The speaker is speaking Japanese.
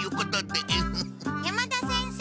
山田先生！